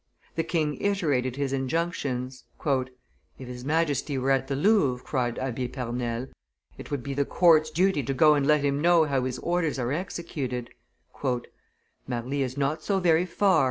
The king iterated his injunctions. "If his Majesty were at the Louvre," cried Abbe Pernelle, "it would be the court's duty to go and let him know how his orders are executed." "Marly is not so very far!"